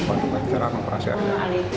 untuk berkerak operasinya